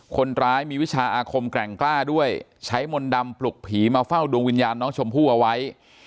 คนร้ายมีวิชาอาคมแกร่งกล้าด้วยใช้มนต์ดำปลุกผีมาเฝ้าดวงวิญญาณน้องชมพู่เอาไว้